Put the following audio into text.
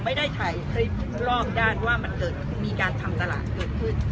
ไม่ได้ถ่ายคลิปรอบด้านว่ามันเกิดมีการทำตลาดเกิดขึ้น